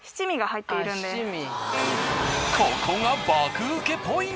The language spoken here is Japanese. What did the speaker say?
ここが。